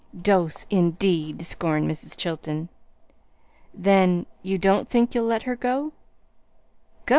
"'Dose,' indeed!" scorned Mrs. Chilton. "Then you don't think you'll let her go?" "Go?